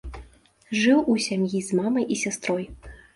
Жыў у сям'і з мамай і сястрой.